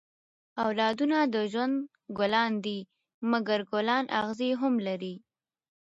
اولادونه د ژوند ګلان دي؛ مکر ګلان اغزي هم لري.